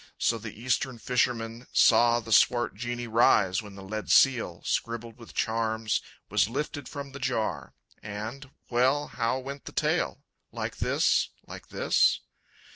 So the Eastern fisherman Saw the swart genie rise when the lead seal, Scribbled with charms, was lifted from the jar; And well, how went the tale? Like this, like this?...